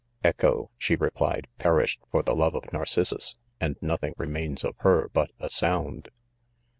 "Echo," she replied, "perished for the love of Narcissus, and nothing remains of her but a sound."